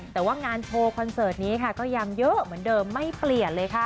แต่ว่างานโชว์คอนเสิร์ตนี้ค่ะก็ยังเยอะเหมือนเดิมไม่เปลี่ยนเลยค่ะ